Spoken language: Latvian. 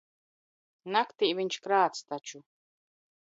Naktī viņš krāc taču.